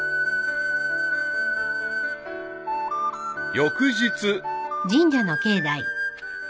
［翌日］